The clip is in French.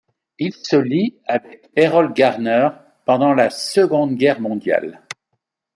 Il se lie avec Erroll Garner pendant la seconde guerre mondiale.